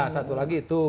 satu lagi itu